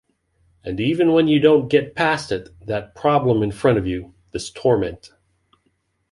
And even when you don’t get past it, that problem in front of you, this torment.